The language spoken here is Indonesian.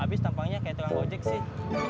habis tampangnya kayak tukang gojek sih